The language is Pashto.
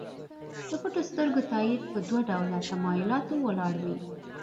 د پټو سترګو تایید په دوه ډوله تمایلاتو ولاړ وي.